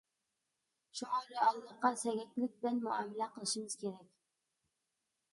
شۇڭا رېئاللىققا سەگەكلىك بىلەن مۇئامىلە قىلىشىمىز كېرەك.